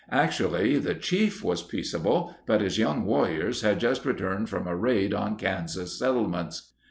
(Actually, the chief was peaceable, but his young warriors had just returned from a raid on Kansas settlements.)